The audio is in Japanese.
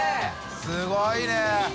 すごいね！